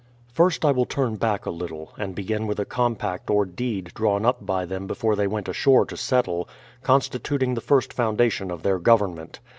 First, I will turn back a little, and begin with a compact or deed drawn up by them before they went ashore to settle, constituting the first foundation of their government.